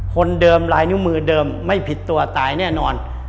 คนเดิมลายนิ้วมือเดิมไม่ผิดตัวตายแน่นอน